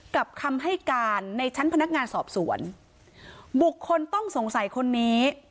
คำให้การในชั้นพนักงานสอบสวนบุคคลต้องสงสัยคนนี้